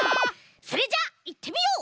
それじゃあいってみよう！